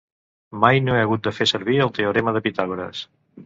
Mai no he hagut de fer servir el teorema de Pitàgores.